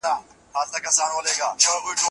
آيا کلتوري بدلونونه چټک دي؟